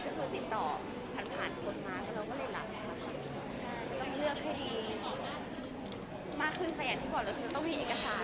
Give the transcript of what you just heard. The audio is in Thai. ก็คือติดต่อผ่านคนมาก็เราก็เลยรับค่ะ